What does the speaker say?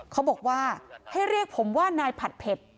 เขาบอกว่าให้เรียกผมว่านายผัดเผ็ด